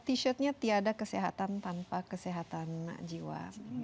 t shirtnya tiada kesehatan tanpa kesehatan jiwa